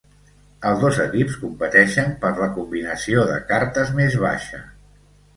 Els dos equips competeixen per la combinació de cartes més baixa.